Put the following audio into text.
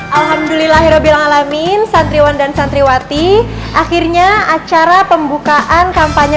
alhamdulillahirobilangalamin santriwan dan santriwati akhirnya acara pembukaan kampanye